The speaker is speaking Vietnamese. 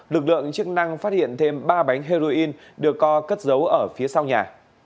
lực lượng chức năng phát hiện thêm ba bánh heroin được co cất giấu ở phía sau nhà